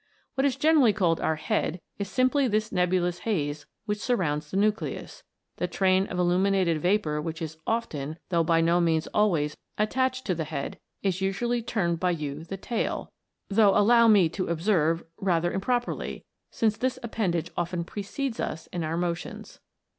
What is generally called our head, is simply this nebulous haze which surrounds the nucleus ; the train, of illuminated vapour which is often, though by no means always, attached to the head, is usually termed by you the tail, though, allow me to observe, rather improperly, since this appendage often precedes us in our motions.